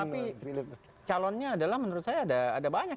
tapi calonnya adalah menurut saya ada banyak